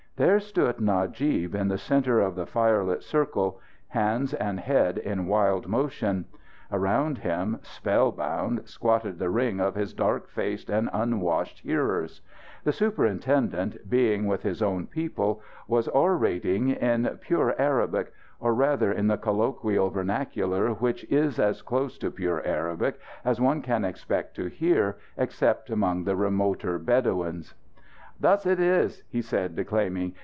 There stood Najib, in the center of the firelit circle; hands and head in wild motion. Around him, spell bound, squatted the ring of his dark faced and unwashed hearers. The superintendent, being with his own people, was orating in pure Arabic or, rather, in the colloquial vernacular which is as close to pure Arabic as one can expect to hear, except among the remoter Bedouins. "Thus it is!" he was declaiming.